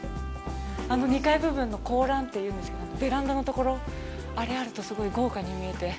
あの２階部分の高欄っていうんですけどベランダのところ、あれがあるとすごい豪華に見えて。